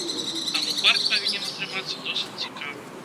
Таму парк павінен атрымацца досыць цікавым.